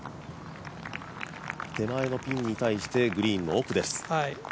手前のピンに対してグリーンの奥です。